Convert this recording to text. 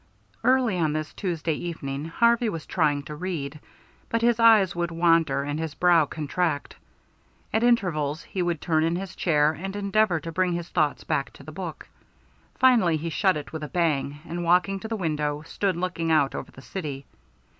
Early on this Tuesday evening Harvey was trying to read, but his eyes would wander and his brow contract. At intervals he would turn in his chair and endeavor to bring his thoughts back to the book. Finally he shut it with a bang and, walking to the window, stood looking out over the city.